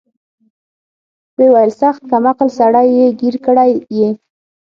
ويې ويل سخت کم عقله سړى يې ګير کړى يې.